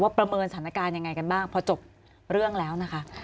ว่าประเมินสถานการณ์อย่างไรบ้างพอจบเรื่องแล้วนะคะ